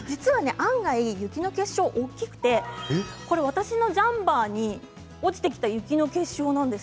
案外、雪の結晶は大きくてこの写真は私のジャンパーに落ちてきた雪の結晶です。